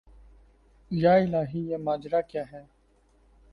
یا الٰہی یہ ماجرا کیا ہے